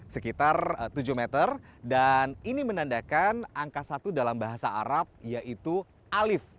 sekitar tujuh meter dan ini menandakan angka satu dalam bahasa arab yaitu alif